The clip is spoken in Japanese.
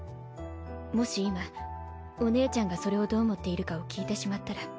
もし今お姉ちゃんがそれをどう思っているかを聞いてしまったら。